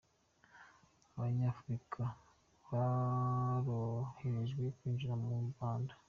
Abanyafurika boroherejwe kwinjira mu Rwanda